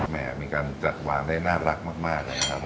แหม่มีการจัดหวานได้น่ารักมากเลยนะครับผม